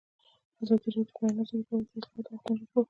ازادي راډیو د د بیان آزادي په اړه د اصلاحاتو غوښتنې راپور کړې.